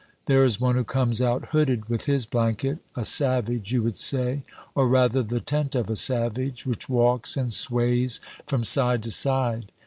There is one who comes out hooded with his blanket a savage, you would say, or rather, the tent of a savage, which walks and sways from side to side.